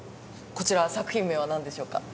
こちら作品名はなんでしょうか？